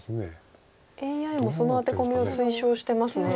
ＡＩもそのアテコミを推奨してますね。